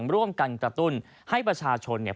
ร่วมกันกระตุ้นให้ประชาชนเนี่ย